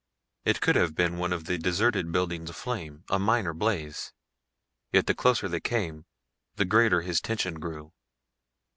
It could have been one of the deserted buildings aflame, a minor blaze. Yet the closer they came, the greater his tension grew.